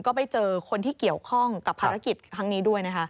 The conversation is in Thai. ก็ไปเจอคนที่เกี่ยวข้องกับภารกิจครั้งนี้ด้วยนะคะ